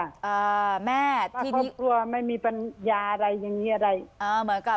อ่าแม่ตอนนี้กลัวไม่มีปัญญาอะไรอย่างงี้อะไรอ่าเหมือนกับ